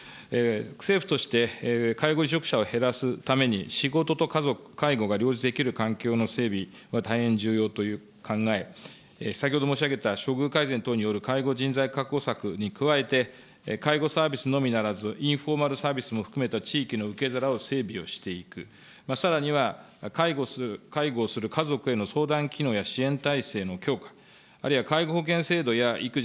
政府として、介護離職者を減らすために仕事と家族、介護が両立できる環境の整備、これは大変重要という考え、先ほど申し上げた処遇改善等による介護人材確保策に加えて、介護サービスのみならずインフォーマルサービスも含めた地域の受け皿を整備をしていく、さらには介護する家族への相談機能や支援体制の強化、あるいは介護保険制度や育児、